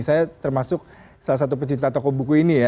saya termasuk salah satu pecinta toko buku ini ya